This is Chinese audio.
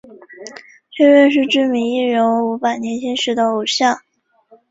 薛岳是知名艺人伍佰年轻时的偶像。